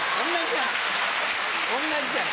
同じじゃん！